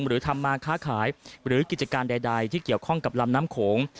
หรือทำมาค้าขายหรือกิจการใดที่เกี่ยวข้องกับลำน้ำโขง